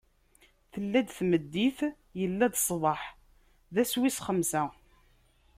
Tella-d tmeddit, illa-d ṣṣbeḥ: d ass wis xemsa.